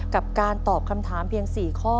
กับการตอบคำถามเพียง๔ข้อ